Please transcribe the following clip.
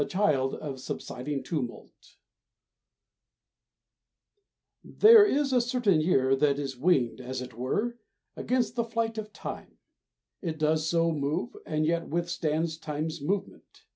THE CHILD OF SUBSIDING TUMULT There is a certain year that is winged, as it were, against the flight of time; it does so move, and yet withstands time's movement.